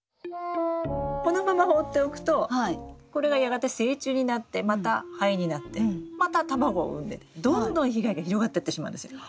このままほっておくとこれがやがて成虫になってまたハエになってまた卵を産んでどんどん被害が広がってってしまうんですよ。